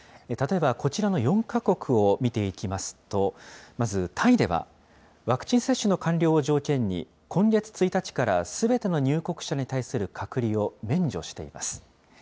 例えばこちらの４か国を見ていきますと、まず、タイではワクチン接種の完了を条件に、今月１日からすべての入国者に対する隔離を免除しています。